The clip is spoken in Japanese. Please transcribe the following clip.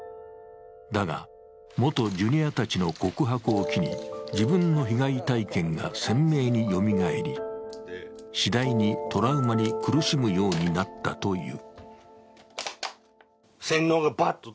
だが、元ジュニアたちの告白を機に自分の被害体験が鮮明によみがえりしだいにトラウマに苦しむようになったという。